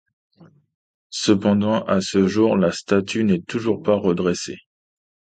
Cependant, à ce jour, la statue n'est toujours pas redressée.